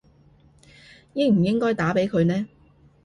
應唔應該打畀佢呢